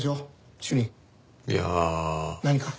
いやあ。何か？